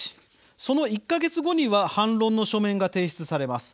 その１か月後には反論の書面が提出されます。